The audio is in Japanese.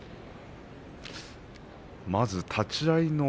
まず立ち合いの